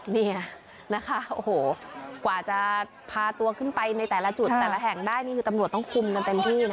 นี่นะคะโอ้โหกว่าจะพาตัวขึ้นไปในแต่ละจุดแต่ละแห่งได้นี่คือตำรวจต้องคุมกันเต็มที่